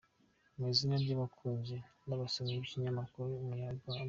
Mu izina ry’abakunzi n’abasomyi b’ikinyamakuru Umuryango.